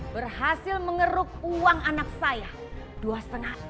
berhasil mengeruk uang anak saya